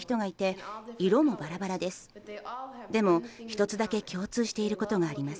でも１つだけ共通していることがあります。